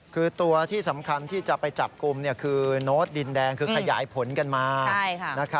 คือตัวที่สำคัญที่จะไปจับกลุ่มคือโน้ตดินแดงคือขยายผลกันมา